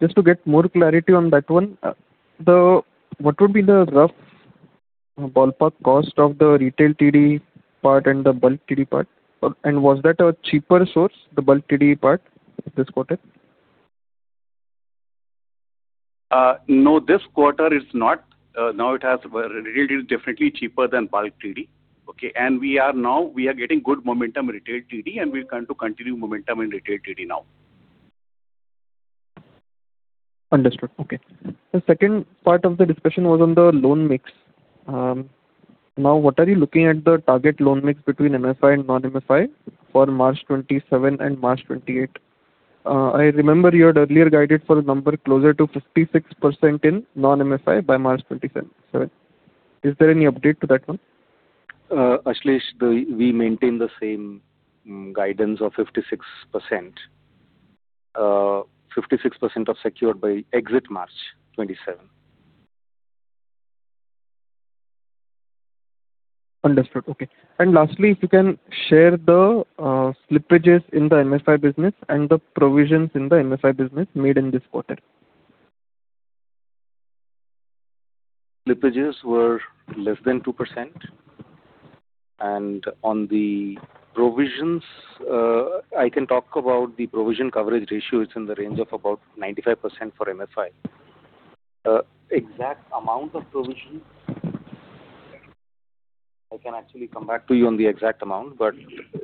Just to get more clarity on that one, what would be the rough ballpark cost of the retail TD part and the bulk TD part? Was that a cheaper source, the bulk TD part this quarter? No, this quarter is not. Now it has reduced differently cheaper than bulk TD. Okay. We are now getting good momentum in retail TD and we want to continue momentum in retail TD now. Understood. Okay. The second part of the discussion was on the loan mix. What are you looking at the target loan mix between MFI and non-MFI for March 2027 and March 2028? I remember you had earlier guided for a number closer to 56% in non-MFI by March 2027. Is there any update to that one? Ashlesh, we maintain the same guidance of 56%. 56% of secured by exit March 2027. Understood. Okay. Lastly, if you can share the slippages in the MFI business and the provisions in the MFI business made in this quarter. Slippages were less than 2%. On the provisions, I can talk about the provision coverage ratio. It's in the range of about 95% for MFI. Exact amount of provision, I can actually come back to you on the exact amount, but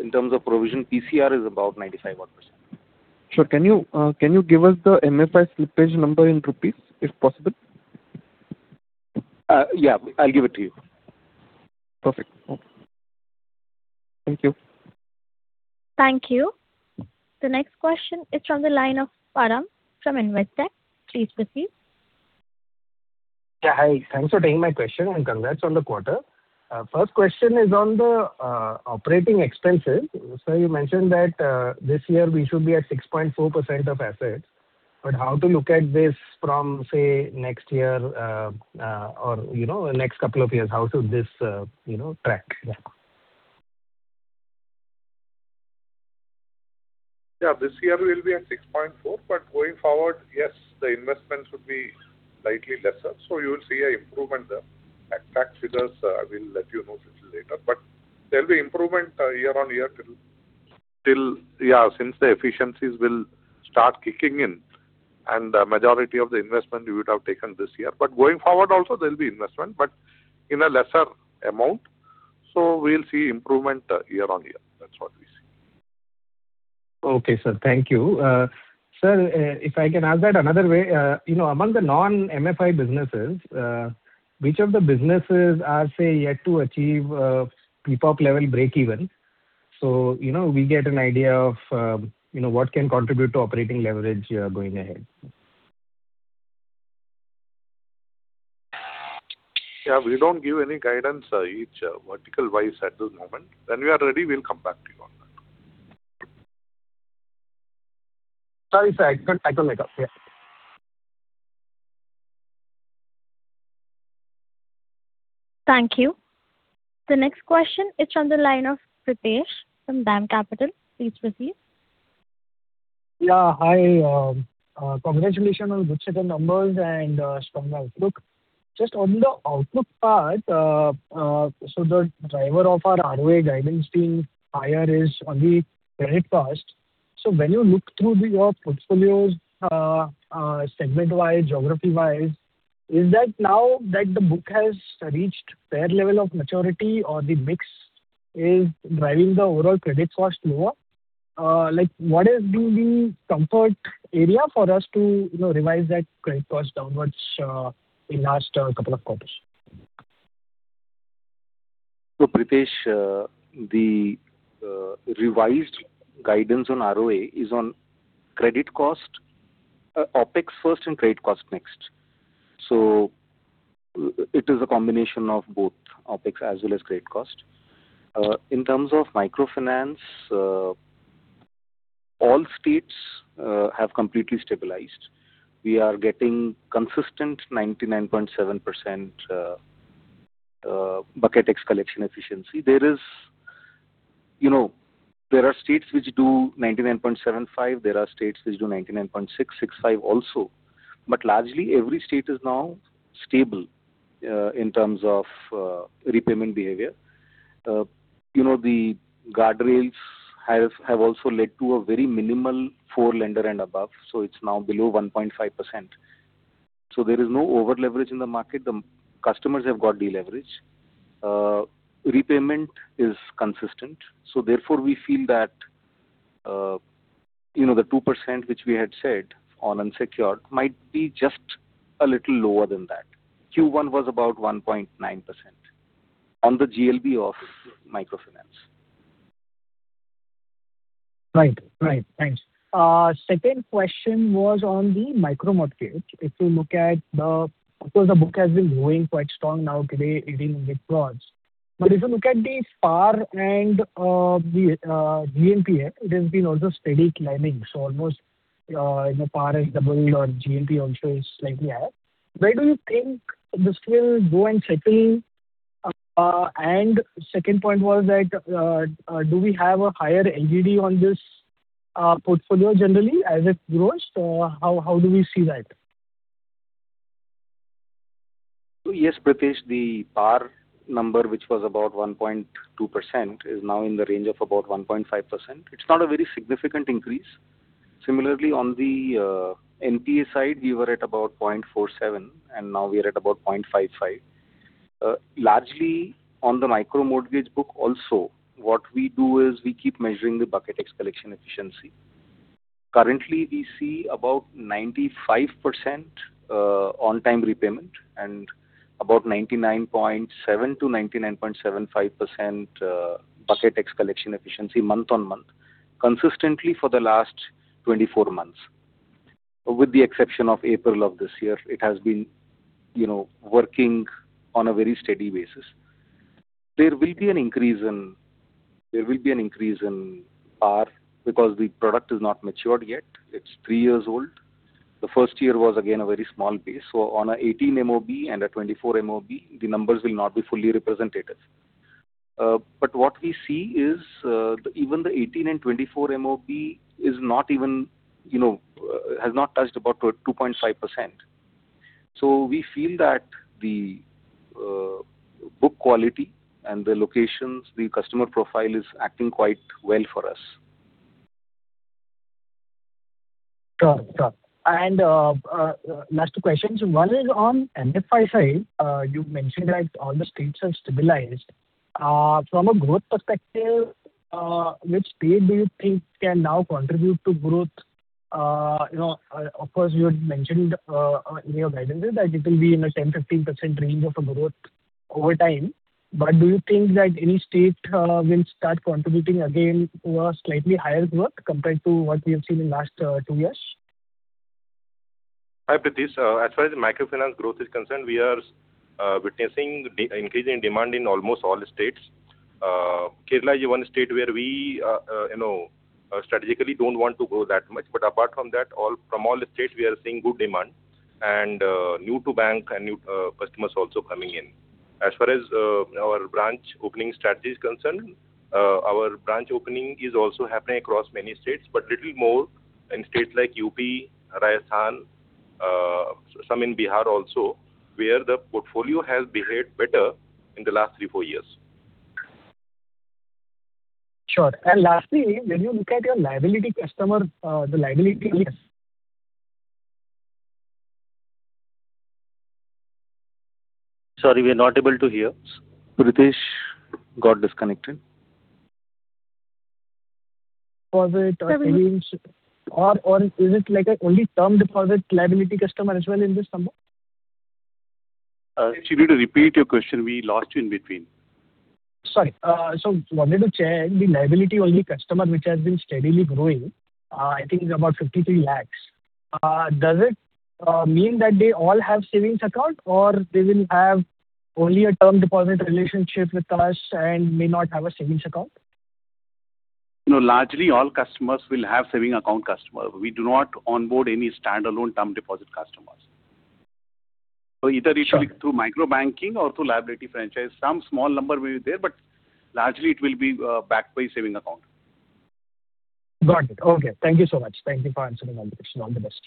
in terms of provision, PCR is about 95% odd. Sure. Can you give us the MFI slippage number in INR if possible? Yeah, I'll give it to you. Perfect. Okay. Thank you. Thank you. The next question is from the line of Param from Investec. Please proceed. Yeah. Hi. Thanks for taking my question. Congrats on the quarter. First question is on the operating expenses. Sir, you mentioned that this year we should be at 6.4% of assets. How to look at this from, say, next year or next couple of years, how should this track? Yeah. This year we will be at 6.4%. Going forward, yes, the investment should be slightly lesser. You will see an improvement there. Exact figures, I will let you know little later. There will be improvement year on year till since the efficiencies will start kicking in and the majority of the investment you would have taken this year. Going forward also, there will be investment, but in a lesser amount. We will see improvement year on year. That is what we see. Okay, sir. Thank you. Sir, if I can ask that another way. Among the non-MFI businesses, which of the businesses are, say, yet to achieve PPOP level breakeven? We get an idea of what can contribute to operating leverage going ahead. Yeah. We do not give any guidance each vertical-wise at this moment. When we are ready, we will come back to you on that. Sorry, sir. I totally got. Thank you. The next question is from the line of Pritesh from DAM Capital. Please proceed. Yeah. Hi. Congratulations on good set of numbers and strong outlook. Just on the outlook part, the driver of our ROA guidance being higher is on the credit cost. When you look through your portfolios segment-wise, geography-wise, is that now that the book has reached fair level of maturity or the mix is driving the overall credit cost lower? What has been the comfort area for us to revise that credit cost downwards in last couple of quarters? Pritesh, the revised guidance on ROA is on credit cost, OPEX first and credit cost next. It is a combination of both OPEX as well as credit cost. In terms of microfinance, all states have completely stabilized. We are getting consistent 99.7% Bucket X collection efficiency. There are states which do 99.75%, there are states which do 99.665% also. Largely, every state is now stable in terms of repayment behavior. The guardrails have also led to a very minimal four lender and above, so it's now below 1.5%. There is no over-leverage in the market. The customers have got de-leveraged. Repayment is consistent. Therefore, we feel that the 2% which we had said on unsecured might be just a little lower than that. Q1 was about 1.9% on the GLB of microfinance. Right. Thanks. Second question was on the micro mortgage. Of course, the book has been growing quite strong now today even with products. If you look at the PAR and the GNPA, it has been also steady climbing. Almost PAR has doubled or GNPA also is slightly high. Where do you think this will go and settle? Second point was that, do we have a higher NGD on this portfolio generally as it grows? How do we see that? Yes, Pritesh, the PAR number, which was about 1.2%, is now in the range of about 1.5%. It's not a very significant increase. Similarly, on the NPA side, we were at about 0.47%, and now we're at about 0.55%. Largely on the micro mortgage book also, what we do is we keep measuring the Bucket X collection efficiency. Currently, we see about 95% on-time repayment and about 99.7%-99.75% Bucket X collection efficiency month-on-month consistently for the last 24 months. With the exception of April of this year, it has been working on a very steady basis. There will be an increase in PAR because the product is not matured yet. It's three years old. The first year was, again, a very small base. On an 18 MOB and a 24 MOB, the numbers will not be fully representative. What we see is even the 18 and 24 MOB has not touched about 2.5%. We feel that the book quality and the locations, the customer profile is acting quite well for us. Sure. Last two questions. One is on MFI side, you mentioned that all the states have stabilized. From a growth perspective, which state do you think can now contribute to growth? Of course, you had mentioned in your guidance that it will be in a 10%-15% range of a growth over time, but do you think that any state will start contributing again to a slightly higher growth compared to what we have seen in last two years? Hi, Pritesh. As far as the microfinance growth is concerned, we are witnessing increasing demand in almost all states. Kerala is one state where we strategically don't want to grow that much. Apart from that, from all states, we are seeing good demand and new to bank and new customers also coming in. As far as our branch opening strategy is concerned, our branch opening is also happening across many states, but little more in states like U.P., Rajasthan, some in Bihar also, where the portfolio has behaved better in the last three, four years. Sure. Lastly, when you look at your liability customer, Sorry, we are not able to hear. Pritesh got disconnected. Deposit or savings, or is it like only term deposit liability customer as well in this number? Could you repeat your question? We lost you in between. Sorry. I wanted to check the liability-only customer, which has been steadily growing, I think is about 53 lakh. Does it mean that they all have savings account or they will have only a term deposit relationship with us and may not have a savings account? No, largely all customers will have savings account. We do not onboard any standalone term deposit customers. Sure. Either it will be through micro banking or through liability franchise. Some small number may be there, but largely it will be backed by savings account. Got it. Okay. Thank you so much. Thank you for answering my question. All the best.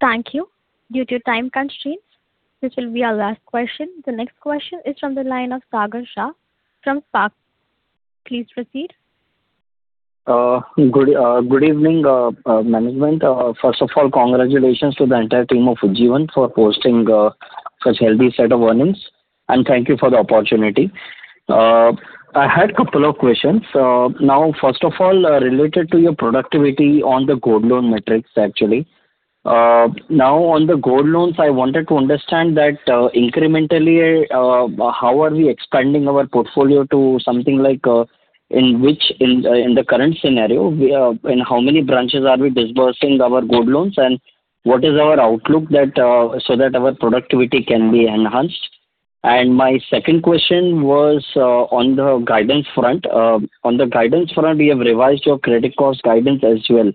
Thank you. Due to time constraints, this will be our last question. The next question is from the line of Sagar Shah from Spark. Please proceed. Good evening, management. First of all, congratulations to the entire team of Ujjivan for posting such healthy set of earnings, and thank you for the opportunity. I had couple of questions. First of all, related to your productivity on the gold loan metrics, actually. On the gold loans, I wanted to understand that incrementally, how are we expanding our portfolio to something like, in the current scenario, in how many branches are we disbursing our gold loans, and what is our outlook so that our productivity can be enhanced? My second question was on the guidance front. On the guidance front, you have revised your credit cost guidance as well.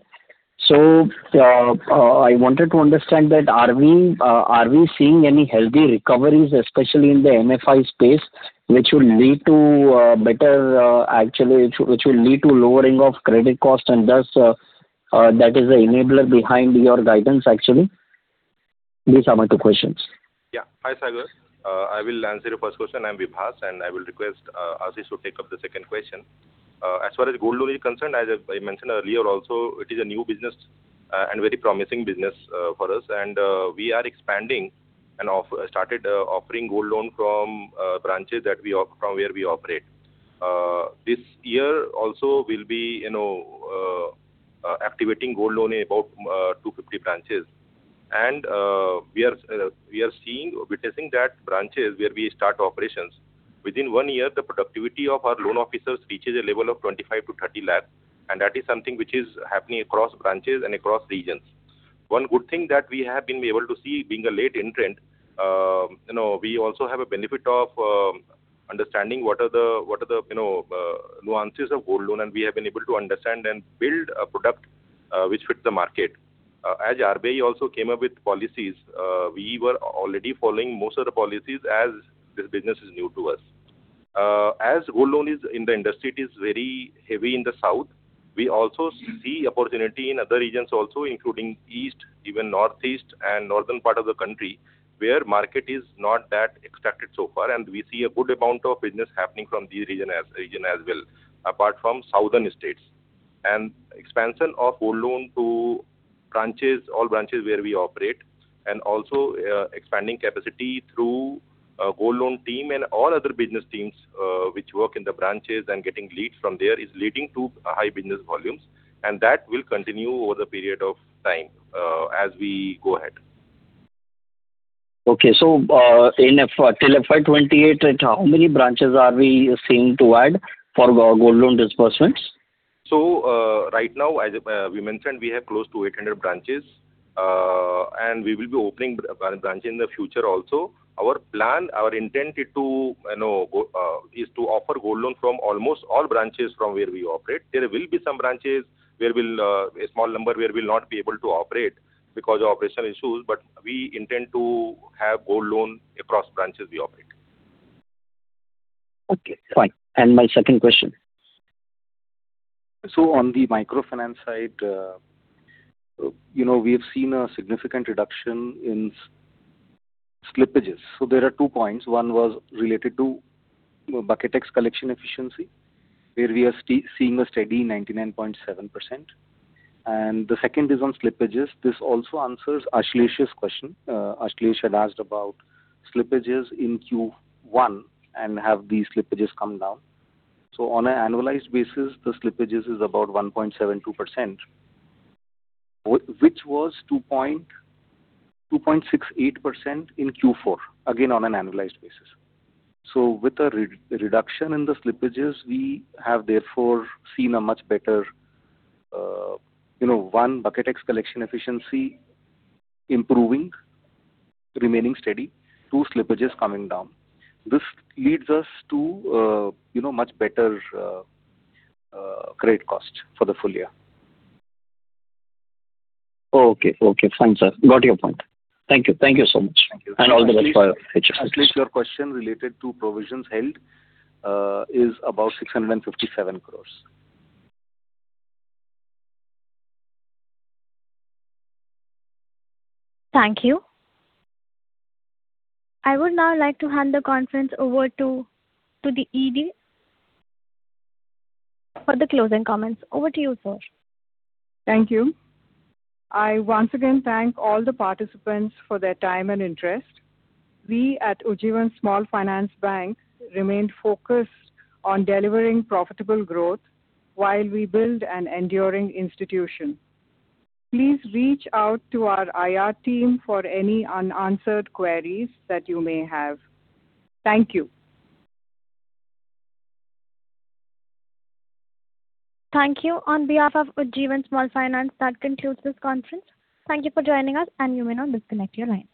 I wanted to understand that, are we seeing any healthy recoveries, especially in the MFI space, which will lead to lowering of credit cost and thus that is the enabler behind your guidance, actually? These are my two questions. Yeah. Hi, Sagar. I will answer your first question. I'm Vibhas, and I will request Ashish to take up the second question. As far as gold loan is concerned, as I mentioned earlier also, it is a new business and very promising business for us, and we are expanding and started offering gold loan from branches from where we operate. This year also we'll be activating gold loan in about 250 branches. We are witnessing that branches where we start operations, within one year, the productivity of our loan officers reaches a level of 25 lakhs-30 lakhs, and that is something which is happening across branches and across regions. One good thing that we have been able to see, being a late entrant, we also have a benefit of understanding what are the nuances of gold loan, and we have been able to understand and build a product which fits the market. RBI also came up with policies, we were already following most of the policies as this business is new to us. Gold loan is in the industry, it is very heavy in the south. We also see opportunity in other regions also, including east, even northeast and northern part of the country, where market is not that extracted so far, and we see a good amount of business happening from this region as well, apart from southern states. Expansion of gold loan to all branches where we operate, and also expanding capacity through gold loan team and all other business teams which work in the branches and getting leads from there is leading to high business volumes. That will continue over the period of time as we go ahead. Okay. Till FY 2028, how many branches are we seeing to add for gold loan disbursements? Right now, as we mentioned, we have close to 800 branches, and we will be opening branch in the future also. Our plan, our intent is to offer gold loan from almost all branches from where we operate. There will be some branches, a small number, where we'll not be able to operate because of operational issues, but we intend to have gold loan across branches we operate. Okay, fine. My second question. On the microfinance side, we have seen a significant reduction in slippages. There are two points. One was related to Bucket X collection efficiency, where we are seeing a steady 99.7%. The second is on slippages. This also answers Ashlesh's question. Ashlesh had asked about slippages in Q1, and have these slippages come down. On an annualized basis, the slippages is about 1.72%, which was 2.68% in Q4, again, on an annualized basis. With a reduction in the slippages, we have therefore seen a much better, one, Bucket X collection efficiency improving, remaining steady. Two, slippages coming down. This leads us to much better credit cost for the full year. Okay. Fine, sir. Got your point. Thank you. Thank you so much. Thank you. All the best for your future. Ashlesh, your question related to provisions held is about INR 657 crores. Thank you. I would now like to hand the conference over to the ED for the closing comments. Over to you, sir. Thank you. I once again thank all the participants for their time and interest. We at Ujjivan Small Finance Bank remain focused on delivering profitable growth while we build an enduring institution. Please reach out to our IR team for any unanswered queries that you may have. Thank you. Thank you. On behalf of Ujjivan Small Finance, that concludes this conference. Thank you for joining us, and you may now disconnect your lines.